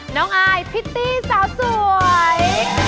น้องอายพริตตี้สาวสวย